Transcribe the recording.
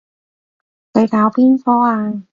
佢搞邊科啊？